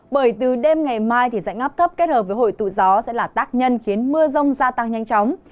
bởi từ đêm ngày mai thì dạnh áp thấp kết hợp với hội tụ gió sẽ là tác nhân khiến mưa rông gia tăng nhanh chóng